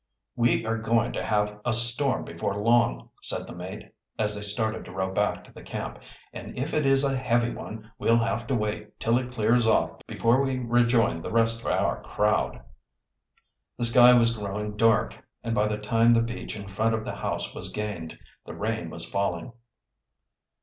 "We are going to have a storm before long," said the mate, as they started to row back to the camp. "And if it is a heavy one we'll have to wait till it clears off before we rejoin the rest of our crowd." The sky was growing dark, and by the time the beach in front of the house was gained the rain was falling.